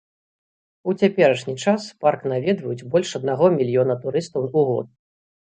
У цяперашні час парк наведваюць больш аднаго мільёна турыстаў у год.